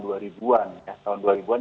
tahun dua ribu an kita kenal ada penyatuan